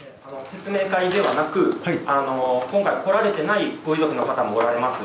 説明会ではなく、今回来られてないご遺族の方もおられます。